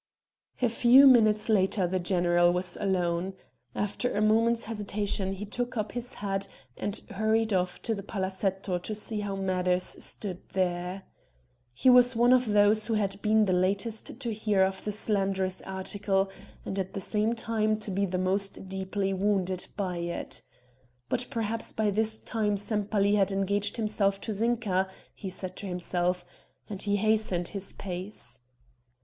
A few minutes later the general was alone; after a moment's hesitation he took up his hat and hurried off to the palazetto to see how matters stood there. He was one of those who had been the latest to hear of the slanderous article and at the same time to be the most deeply wounded by it. But perhaps by this time Sempaly had engaged himself to Zinka, he said to himself, and he hastened his pace.